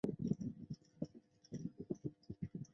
首府通贝斯。